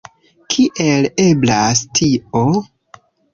Kiel eblas tio?